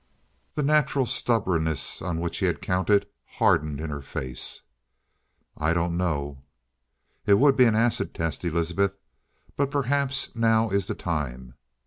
The natural stubbornness on which he had counted hardened in her face. "I don't know." "It would be an acid test, Elizabeth. But perhaps now is the time.